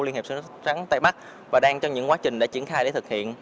liên hiệp sử dụng rắn tây bắc và đang trong những quá trình đã triển khai để thực hiện